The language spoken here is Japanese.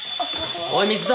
おい水だ！